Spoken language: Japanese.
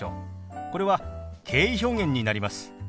これは敬意表現になります。